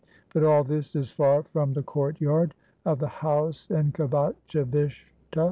But all this is far from the courtyard of the house in Kovatchavishta.